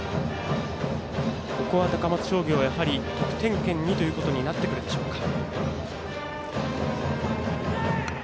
ここは高松商業得点圏にということになってくるでしょうか。